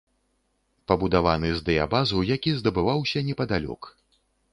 Пабудаваны з дыябазу, які здабываўся непадалёк.